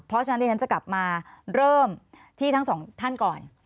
เพราะฉะนั้นที่ฉันจะกลับมาเริ่มที่ทั้งสองท่านก่อน